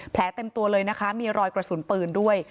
เต็มตัวเลยนะคะมีรอยกระสุนปืนด้วย